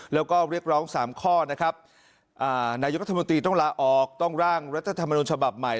แล้วก็เรียกร้อง๓ข้อนะครับนายกรัฐมนตรีต้องลาออกต้องร่างรัฐธรรมนุนฉบับใหม่